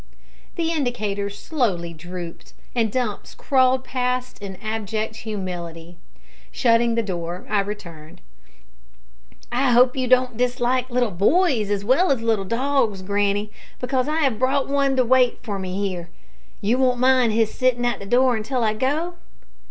The indicators slowly drooped, and Dumps crawled past in abject humility. Shutting the door, I returned. "I hope you don't dislike little boys as well as little dogs, granny, because I have brought one to wait for me here. You won't mind his sitting at the door until I go?"